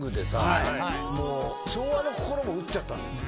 もう昭和の心も打っちゃった。